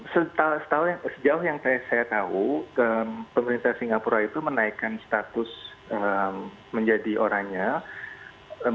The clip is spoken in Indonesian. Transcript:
sejauh yang saya tahu pemerintah singapura itu menaikkan status menjadi orangnya